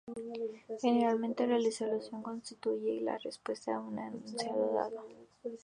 Generalmente, la resolución constituye la respuesta a un enunciado dado.